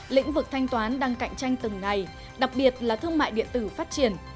lĩnh vực thanh toán đang cạnh tranh từng ngày đặc biệt là thương mại điện tử phát triển